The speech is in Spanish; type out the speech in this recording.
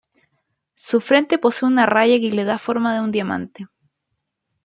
Su frente posee una raya que le da la forma de un diamante.